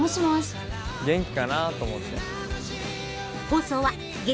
元気かなぁと思って。